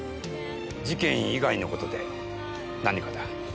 事件以外の事で何かだ。